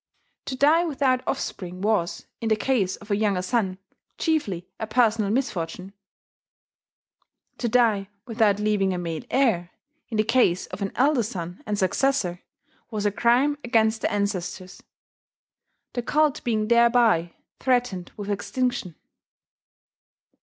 To die without offspring was, in the case of a younger son, chiefly a personal misfortune; to die without leaving a male heir, in the case of an elder son and successor, was a crime against the ancestors, the cult being thereby threatened with extinction.